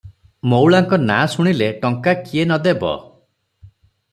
ମଙ୍ଗଳାଙ୍କ ନାଁ ଶୁଣିଲେ ଟଙ୍କା କିଏ ନ ଦେବ?